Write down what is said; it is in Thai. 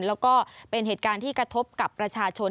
แล้วก็เป็นเหตุการณ์ที่กระทบกับประชาชน